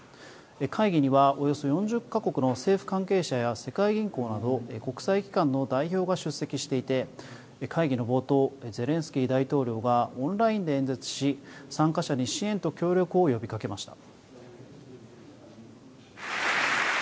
会議には、およそ４０か国の政府関係者や世界銀行など国際機関の代表が出席していて会議の冒頭ゼレンスキー大統領がオンラインで演説し参加者に支援と協力を呼びかけました。